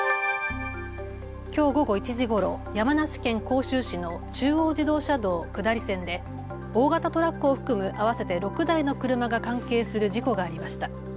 きょう午後１時ごろ、山梨県甲州市の中央自動車道下り線で大型トラックを含む合わせて６台の車が関係する事故がありました。